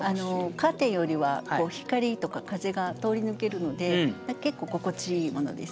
カーテンよりは光とか風が通り抜けるので結構心地いいものです。